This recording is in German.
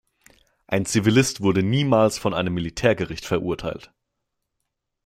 Ein Zivilist wurde niemals von einem Militärgericht verurteilt.